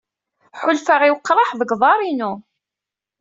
Ḥulfaɣ i weqraḥ deg uḍar-inu.